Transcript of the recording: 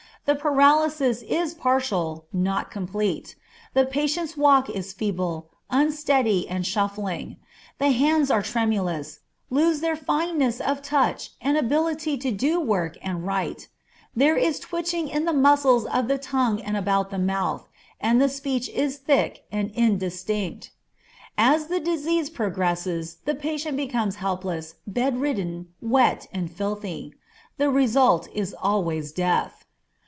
The paralysis is partial, not complete; the patient's walk is feeble, unsteady, and shuffling; the hands are tremulous, lose their fineness of touch and ability to do work and write; there is twitching in the muscles of the tongue and about the mouth, and the speech is thick and indistinct. As the disease progresses the patient becomes helpless, bedridden, wet, and filthy. The result is always death.